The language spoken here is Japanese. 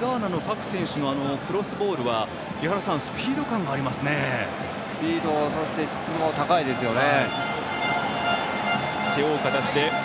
ガーナの各選手のクロスボールは井原さんスピードそして、質も高いですよね。